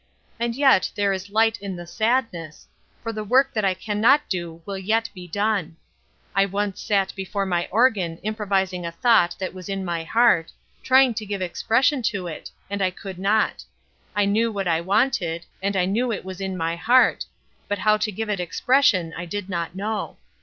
And yet there is light in the sadness, for the work that I can not do will yet be done. I once sat before my organ improvising a thought that was in my heart, trying to give expression to it, and I could not. I knew what I wanted, and I knew it was in my heart, but how to give it expression I did not know.